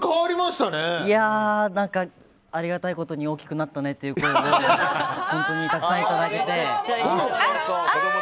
ありがたいことに大きくなったねという声を本当にたくさんいただけて。